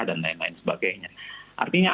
dan lain lain sebagainya artinya